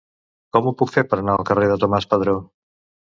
Com ho puc fer per anar al carrer de Tomàs Padró?